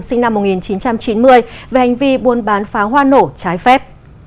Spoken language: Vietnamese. sinh năm một nghìn chín trăm chín mươi về hành vi buôn bán pháo hoa nổ trái phép